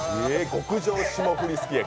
極上霜降りすき焼。